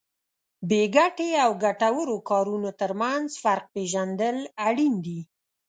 بې ګټې او ګټورو کارونو ترمنځ فرق پېژندل اړین دي.